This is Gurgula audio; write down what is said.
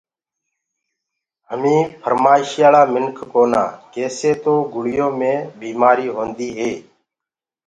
همينٚ ڦرمآشِيآݪآ منکِ ڪونآ ڪيسي تو گُݪيو مي بيٚمآريٚ هونٚديٚ هي